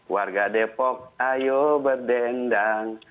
warga depok ayo berdendang